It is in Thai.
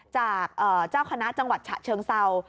จากเจ้าคนาข์จังหวัดเฉินเซา